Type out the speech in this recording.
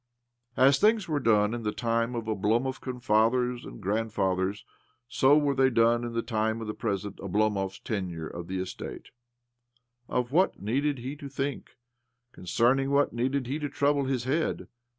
As things were done in the time of Oblomovkan fathers and grandfathers, so were they done in the time OBLOMOV 123 jof the present Oblomov's tenure of the 'estate. Of what needed he to think? Con cerning what needed he to trouble his head